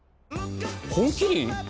「本麒麟」